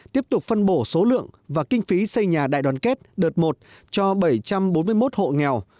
tiếp tục phân bổ số lượng và kinh phí xây nhà đại đoàn kết đợt một cho bảy trăm bốn mươi một hộ nghèo